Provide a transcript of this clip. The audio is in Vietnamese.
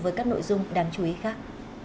với các nội dung đáng chú ý khác